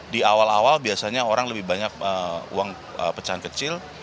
di awal awal biasanya orang lebih banyak uang pecahan kecil